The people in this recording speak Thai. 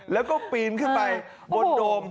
แล้วก็ปีนขึ้นไปบนโดม